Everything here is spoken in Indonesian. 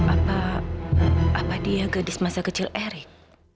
apa apa dia gadis masa kecil erik